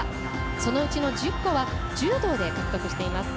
そのうちの１０個は柔道で獲得しています。